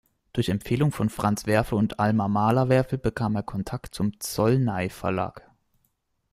Durch Empfehlung von Franz Werfel und Alma Mahler-Werfel bekam er Kontakt zum Zsolnay-Verlag.